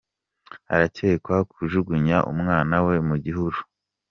Arakekwaho kujugunya umwana we mu gihuru